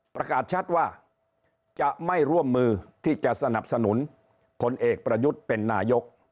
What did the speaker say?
ประกาศชัดว่าจะไม่ร่วมมือที่จะสนับสนุนพลเอกประยุทธ์เป็นนายก